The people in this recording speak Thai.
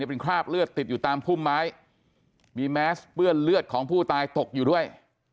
เป็นคราบเลือดติดอยู่ตามพุ่มไม้มีแมสเปื้อนเลือดของผู้ตายตกอยู่ด้วย